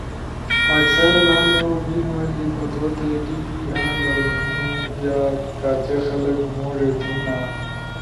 اکثر لامو بینو لی پتوتے ٹی وی آن درنو، یا کاچے خلق موڙے تھینا۔